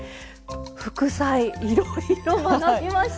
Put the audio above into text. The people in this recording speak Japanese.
副菜いろいろ学びました。